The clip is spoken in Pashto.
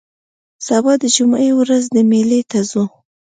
سبا د جمعې ورځ ده مېلې ته ځو